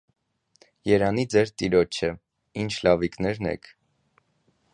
- երանի ձեր տիրոջը, ի՜նչ լավիկներն եք: